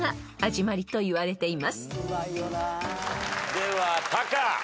ではタカ。